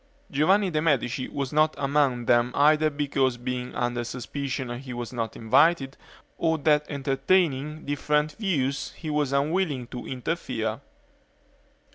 Giovanni de' Medici was not among them either because being under suspicion he was not invited or that entertaining different views he was unwilling to interfere.